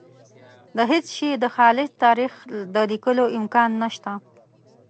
د هېڅ شي د خالص تاریخ د لیکلو امکان نشته.